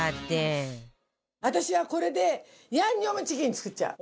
私はこれでヤンニョムチキン作っちゃう！